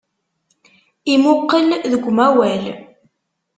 Imuqel deg umawal.